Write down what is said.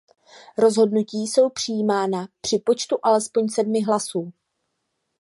Rozhodnutí jsou přijímána při počtu alespoň sedmi hlasů.